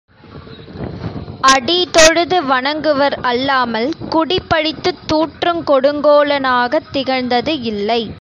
அடி தொழுது வணங்குவர் அல்லாமல், குடி பழித்துத் தூற்றுங் கொடுங்கோலனாகத் திகழ்ந்தது இல்லை.